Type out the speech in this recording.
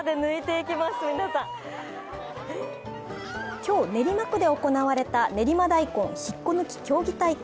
今日練馬区で行われた練馬大根引っこ抜き競技大会。